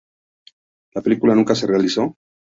La película nunca se realizó.